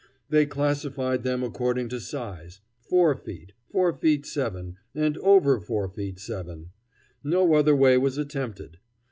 They classified them according to size: four feet, four feet seven, and over four feet seven! No other way was attempted.